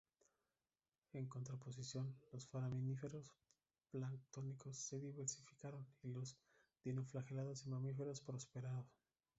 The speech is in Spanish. En contraposición, los foraminíferos planctónicos se diversificaron, y los dinoflagelados y mamíferos prosperaron.